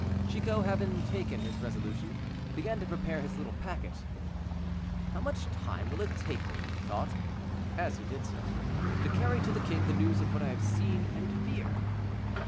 Chicot, having taken his resolution, began to prepare his little packet. "How much time will it take me," thought he, as he did so, "to carry to the king the news of what I have seen and fear?